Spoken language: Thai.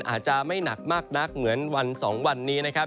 อาจจะไม่หนักมากนักเหมือนวัน๒วันนี้นะครับ